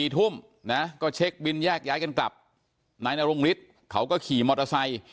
ทุ่มนะก็เช็คบินแยกย้ายกันกลับนายนรงฤทธิ์เขาก็ขี่มอเตอร์ไซค์